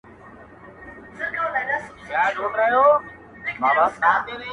ډېر یې زړه سو چي له ځان سره یې سپور کړي-